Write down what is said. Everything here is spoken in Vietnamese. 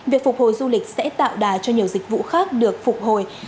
việc phục hồi du lịch sẽ tạo đà cho nhiều dịch vụ khác được phục hồi